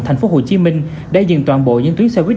thành phố hồ chí minh đã dừng toàn bộ những tuyến xe quy định